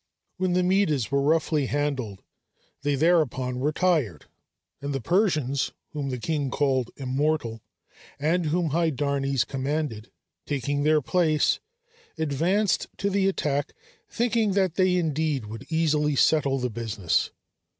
When the Medes were roughly handled, they thereupon retired, and the Persians whom the king called "Immortal," and whom Hydarnes commanded, taking their place advanced to the attack thinking that they indeed would easily settle the business.